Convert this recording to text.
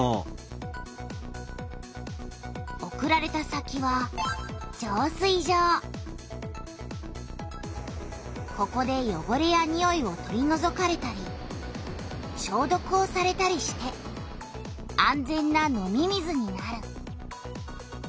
送られた先はここでよごれやにおいを取りのぞかれたりしょうどくをされたりして安全な飲み水になる。